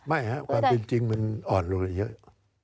ไม่ครับความเป็นจริงมันอ่อนลงไปเยอะ